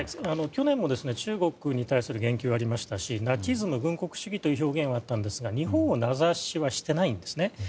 去年も中国に対する言及がありましたしナチズム、軍国主義という表現はあったんですが日本は名指しはしていないんです。